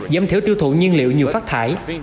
giám thiếu tiêu thụ nhiên liệu nhiều phát thải